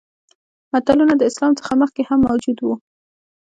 متلونه د اسلام څخه مخکې هم موجود وو